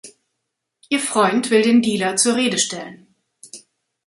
Ihr Freund will den Dealer zur Rede stellen.